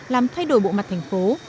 làm thay đổi bộ mặt thành phố